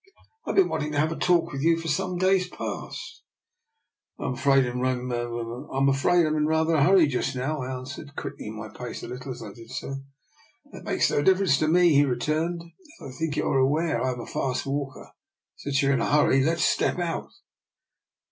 " I've been wanting to have a talk with you for some days past." " I'm afraid I'm in rather a hurry just now," I answered, quickening my pace a little as I did so. " That makes no difference at all to me," he returned. " As I think you are aware, I am a fast walker. Since you are in a hurry, let us step out."